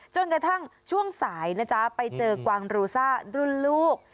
จนกระทั่งช่วงสายนะจ๊ะไปเจอกวางรูซ่ารุ่นลูก